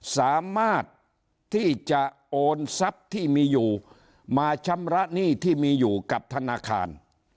สามารถที่จะโอนทรัพย์ที่มีอยู่มาชำระหนี้ที่มีอยู่กับธนาคาร